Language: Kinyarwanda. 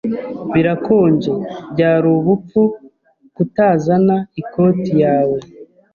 Birakonje. Byari ubupfu kutazana ikoti yawe.